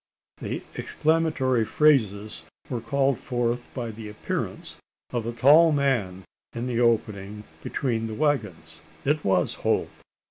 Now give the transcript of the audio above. The exclamatory phrases were called forth by the appearance of a tall man in the opening between the waggons. It was Holt.